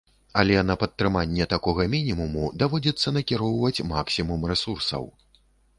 Але на падтрыманне такога мінімуму даводзіцца накіроўваць максімум рэсурсаў.